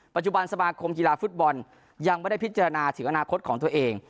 สมาคมกีฬาฟุตบอลยังไม่ได้พิจารณาถึงอนาคตของตัวเอง